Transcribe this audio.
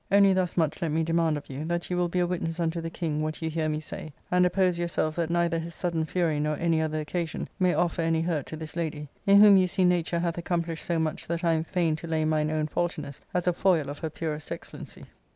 Only thus much let me demand of you, that you will be a witness ,unto the king what you hear me say, and oppose yourself that neither his sudden fury nor any other occasion may offer any hurt to this lady ; in whom you see nature hath accomplished ^o much that I am fain to lay mine own faultiness as a foil of her purest excellency."